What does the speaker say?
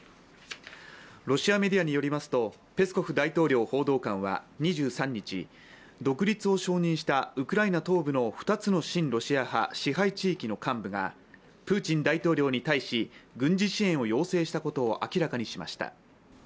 ロシアメディアによりますと、ペスコフ大統領報道官は２３日、独立を承認したウクライナ東部の２つの親ロシア派支配地域の幹部がプーチン大統領に対し軍事支援を要請したことを明らかにしました。